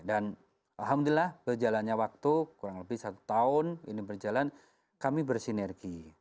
dan alhamdulillah berjalannya waktu kurang lebih satu tahun ini berjalan kami bersinergi